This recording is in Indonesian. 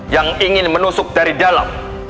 yang ingin menusuk dari dalam